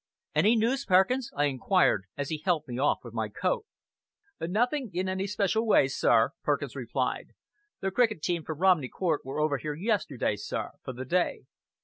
"Any news, Perkins?" I inquired, as he helped me off with my coat. "Nothing in any way special, sir," Perkins replied. "The cricket team from Romney Court were over here yesterday, sir, for the day."